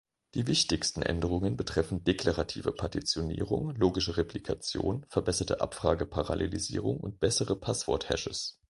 Die wichtigsten Änderungen betreffen deklarative Partitionierung, logische Replikation, verbesserte Abfrage-Parallelisierung und bessere Password-Hashes.